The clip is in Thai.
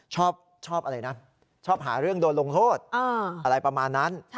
ชอบอะไรนะชอบหาเรื่องโดนลงโทษอะไรประมาณนั้น